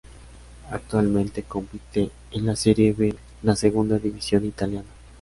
Actualmente compite en la Serie B, la segunda división italiana.